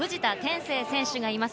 聖選手がいます。